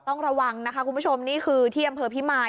ต้องระวังนะคะคุณผู้ชมนี่คือที่อำเภอพิมาย